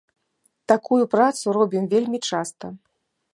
Такую працу робім вельмі часта.